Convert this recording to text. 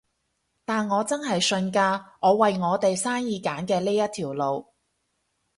但我真係信㗎，我為我哋生意揀嘅呢一條路